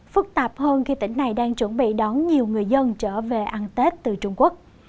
phức tạp hơn khi tỉnh này đang chuẩn bị đón nhiều người dân trở về ăn tết từ trung quốc